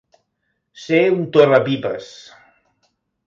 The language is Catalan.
Ser un torrapipes.